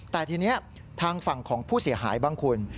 แต่ทีนี้ทางฝั่งของผู้เสียหายบ้างคุณ